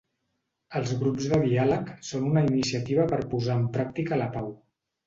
Els Grups de diàleg són una iniciativa per posar en pràctica la pau.